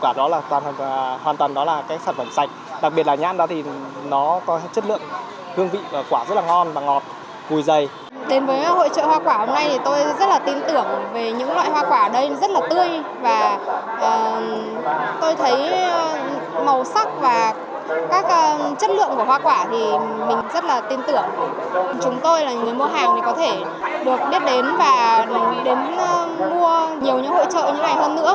chúng tôi là người mua hàng thì có thể được biết đến và đến mua nhiều những hội trợ như này hơn nữa